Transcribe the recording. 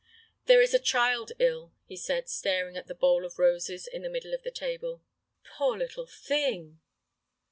"There is a child ill," he said, staring at the bowl of roses in the middle of the table. "Poor little thing!"